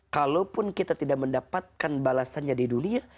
kalaupun kita tidak mendapatkan balasannya di dunia